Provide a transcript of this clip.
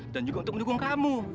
dan juga untuk mendukung kamu